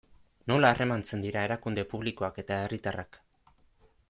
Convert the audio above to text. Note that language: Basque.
Nola harremantzen dira erakunde publikoak eta herritarrak?